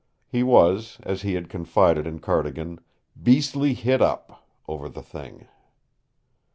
He was, as he had confided in Cardigan, "beastly hit up" over the thing.